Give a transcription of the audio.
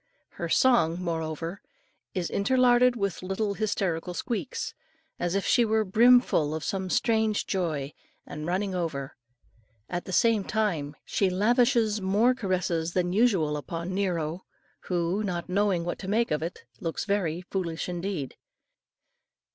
Her song, moreover, is interlarded with little hysterical squeaks, as if she were brim full of some strange joy, and running over. At the same time she lavishes more caresses than usual upon Nero, who, not knowing what to make of it, looks very foolish indeed.